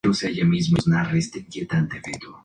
El tallo es utilizado por los indígenas para producir fuego.